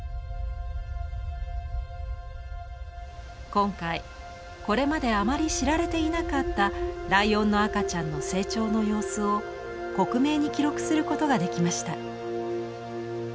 今回これまであまり知られていなかったライオンの赤ちゃんの成長の様子を克明に記録することができました。